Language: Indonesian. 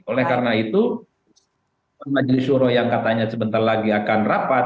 oleh karena itu majelis suro yang katanya sebentar lagi akan rapat